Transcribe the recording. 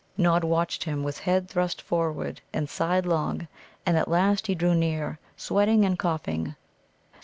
Nod watched him, with head thrust forward and side long, and at last he drew near, sweating and coughing.